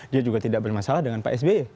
dia juga tidak bermasalah dengan pak sby